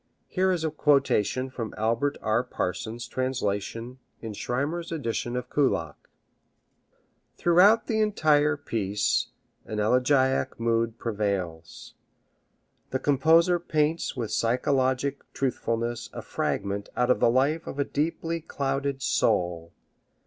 Here is a quotation from Albert R. Parsons' translation in Schirmer's edition of Kullak. Throughout the entire piece an elegiac mood prevails. The composer paints with psychologic truthfulness a fragment out of the life of a deeply clouded soul.